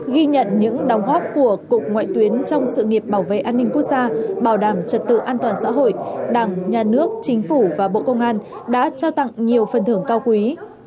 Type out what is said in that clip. ghi nhận những đóng góp của cục ngoại tuyến trong sự nghiệp bảo vệ an ninh quốc gia bảo đảm trật tự an toàn xã hội đảng nhà nước chính phủ và bộ công an đã trao tặng nhiều phần thưởng cao quý